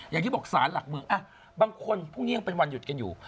อย่างที่ศาลหลักเมืองบางคนพรุ่งนี้ยังเป็นวันหยุดกันอยู่